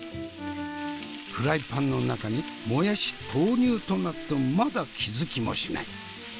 フライパンの中にもやし投入となってもまだ気付きもしない。